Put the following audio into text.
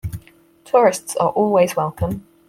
Tourists are always welcome.